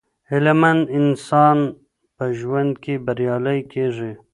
هیله مند انسان په ژوند کې بریالی کیږي.